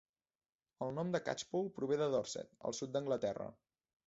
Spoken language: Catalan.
El nom de Catchpole prové de Dorset, al sud d'Anglaterra.